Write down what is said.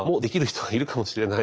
はい。